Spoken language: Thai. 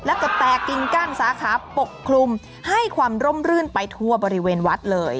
แล้วก็แตกกิ่งกั้นสาขาปกคลุมให้ความร่มรื่นไปทั่วบริเวณวัดเลย